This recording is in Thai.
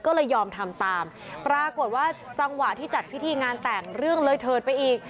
ก็เลยยอมทำตามปรากฏว่าจังหวะที่จัดพิธีงานแต่งเรื่องเลยเถิดไปอีก